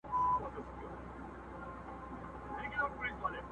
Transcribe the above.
خلک وه ډېر وه په عذاب له کفن کښه؛